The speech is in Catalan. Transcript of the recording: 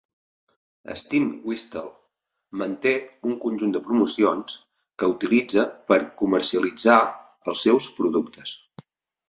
Steam Whistle manté un conjunt de promocions que utilitza per comercialitzar els seus productes.